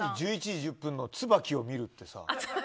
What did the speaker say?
１１時１０分のツバキを見るって何？